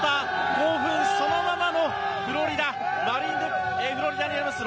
興奮そのままのフロリダにあります